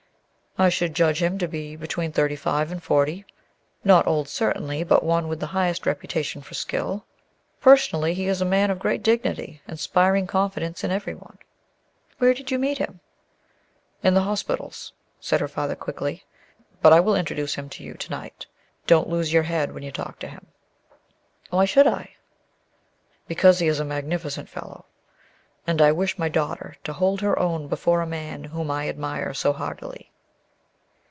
"I should judge him to be between thirty five and forty. Not old certainly, but one with the highest reputation for skill. Personally he is a man of great dignity, inspiring confidence in every one." "Where did you meet him?" "In the hospitals," said her father quickly. "But I will introduce him to you to night. Don't lose your head when you talk to him." "Why should I?" "Because he is a magnificent fellow; and I wish my daughter to hold her own before a man whom I admire so heartily."